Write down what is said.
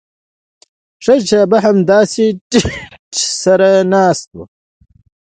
ښه شېبه همداسې ټيټ سر ناست و.